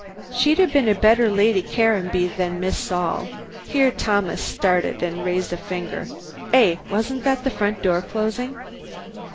She'd have been a better Lady Caranby than Miss Saul" here Thomas started and raised a finger. "Eh! wasn't that the front door closing?"